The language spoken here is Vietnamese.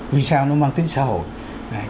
vì sao nó mang tính xã hội